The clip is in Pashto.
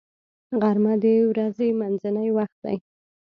غرمه د ورځې منځنی وخت دی